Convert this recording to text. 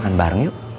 makanan bareng yuk